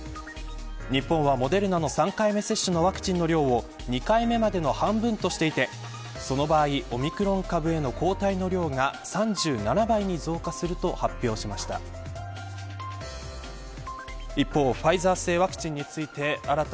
日本はモデルナの３回目接種のワクチンの量は２回目はまだ半分としていてその場合オミクロン株への抗体の量が３７倍に増加すると発表しました。